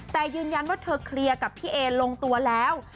แต่ยืนยันว่าเธอเคลียร์กับพี่เอลงตัวแล้ว